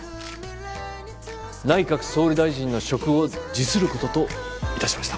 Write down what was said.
内閣総理大臣の職を辞することといたしました。